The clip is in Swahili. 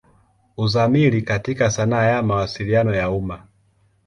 Uzamili katika sanaa ya Mawasiliano ya umma.